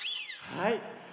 はい。